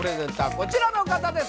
こちらの方です